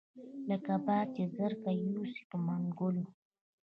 لکه باز چې زرکه یوسي په منګلو